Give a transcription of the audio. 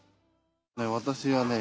私はねえ！